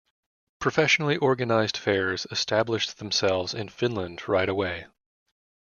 Professionally organised fairs established themselves in Finland right away.